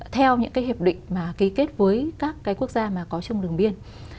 theo những hiệp định ký kết với các quốc gia có trong đường biên